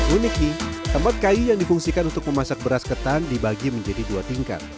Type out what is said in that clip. unik nih tempat kayu yang difungsikan untuk memasak beras ketan dibagi menjadi dua tingkat